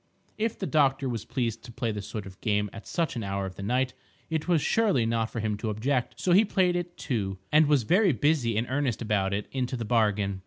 If the doctor was pleased to play this sort of game at such an hour of the night, it was surely not for him to object. So he played it, too; and was very busy and earnest about it into the bargain.